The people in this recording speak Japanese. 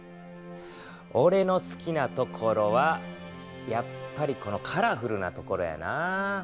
おれの好きなところはやっぱりこのカラフルなところやなぁ。